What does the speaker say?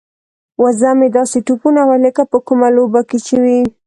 وزه مې داسې ټوپونه وهي لکه په کومه لوبه کې چې وي.